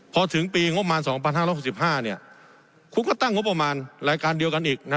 พอถึงปีงบประมาณ๒๕๖๕คุณก็ตั้งงบประมาณรายการเดียวกันอีก